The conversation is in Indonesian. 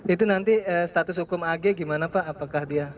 itu nanti status hukum ag gimana pak apakah dia